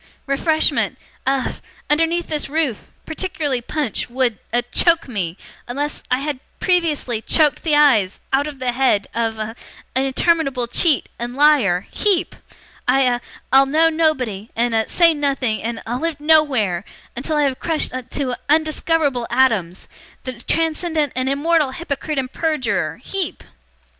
Refreshment a underneath this roof particularly punch would a choke me unless I had previously choked the eyes out of the head a of interminable cheat, and liar HEEP! I a I'll know nobody and a say nothing and a live nowhere until I have crushed to a undiscoverable atoms the transcendent and immortal hypocrite and perjurer HEEP!